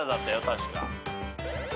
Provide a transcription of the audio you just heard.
確か。